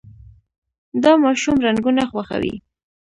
دا ماشوم رنګونه خوښوي.